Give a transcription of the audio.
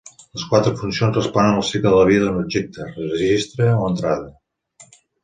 Les quatre funcions responen al cicle de vida d'un objecte, registre o entrada.